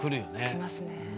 来ますね。